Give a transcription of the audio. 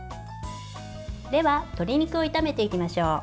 では、鶏肉を炒めていきましょう。